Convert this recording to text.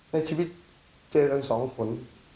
ในชีวิตเจอกัน๒คน